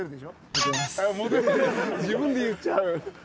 自分で言っちゃう。